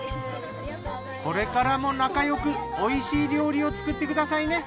これからも仲よく美味しい料理を作ってくださいね。